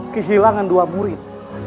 kehilangan dua murid